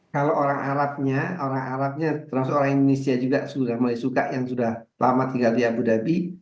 kalau orang arabnya orang arabnya termasuk orang indonesia juga sudah mulai suka yang sudah lama tinggal di abu dhabi